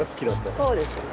そうですね。